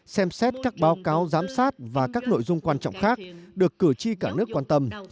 xem xét các báo cáo giám sát và các nội dung quan trọng khác được cử tri cả nước quan tâm